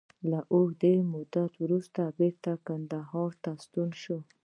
له اوږدې مودې وروسته بېرته کندهار ته راستون شو.